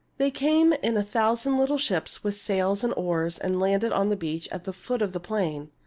They came in a thousand little ships, with sails and oars, and landed on the beach at the foot of the plain.